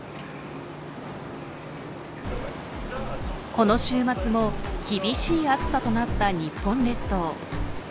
この週末も厳しい暑さとなった日本列島。